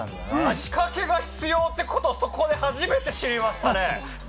仕掛けが必要ってこと、そこで初めて知りましたね。